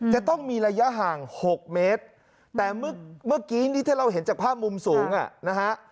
จะต้องมีระยะห่าง๖เมตรแต่เมื่อกี้นี่ถ้าเราเห็นจากภาพมุมสูงอ่ะนะฮะ